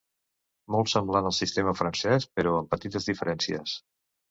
Molt semblant al sistema francès, però amb petites diferències.